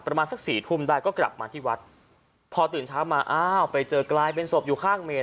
ประมาณสักสี่ทุ่มได้ก็กลับมาที่วัดพอตื่นเช้ามาอ้าวไปเจอกลายเป็นศพอยู่ข้างเมน